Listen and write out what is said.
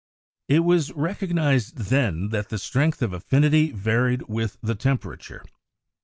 It was recognised then that the strength of affinity varied with the temperature.